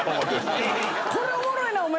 これおもろいなお前！